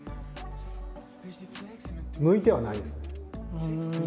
向いてはないですね。